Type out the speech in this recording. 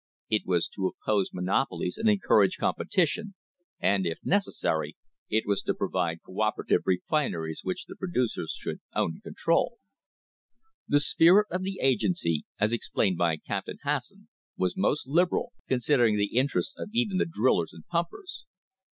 It was to oppose monopolies and encourage competition, and, if necessary, it was to provide co operative refineries which the producers should own and control. The spirit of the agency, as explained by Captain Hasson, was most liberal, considering the interests of even the drillers and pumpers.